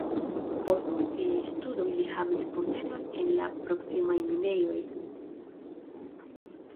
Post siaj studoj li havis postenon en la proksimaj minejoj.